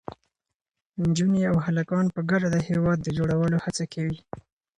نجونې او هلکان په ګډه د هېواد د جوړولو هڅه کوي.